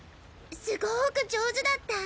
すごく上手だった！